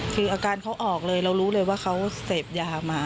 คืออาการเขาออกเลยเรารู้เลยว่าเขาเสพยามา